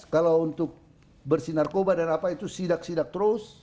kalau untuk bersih narkoba dan apa itu sidak sidak terus